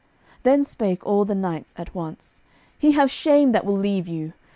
Then spake all the knights at once: "He have shame that will leave you.